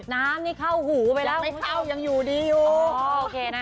น้ำนี่เข้าหูไปแล้วไม่เข้ายังอยู่ดีอยู่โอเคนะ